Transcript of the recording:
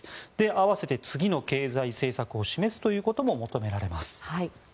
併せて次の経済政策を示すということも求められます。